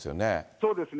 そうですね。